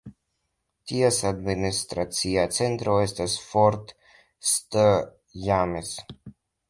Ties administracia centro estis Fort St. James.